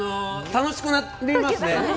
楽しくなりますね。